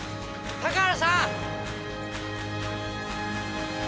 高原さん！